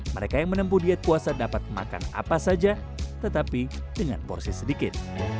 mereka yang menempuh diet puasa dapat makan apa saja tetapi dengan porsi sedikit